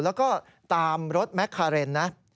แล้วก็ตามรถแมคคาเรนนะ